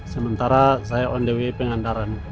sementara saya on the way pengantaran